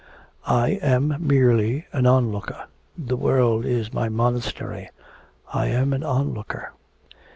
I am merely an onlooker, the world is my monastery. I am an onlooker.'